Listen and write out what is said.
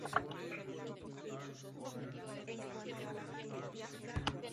Se han conservado propulsores de madera, hueso, marfil o asta, algunos altamente decorados.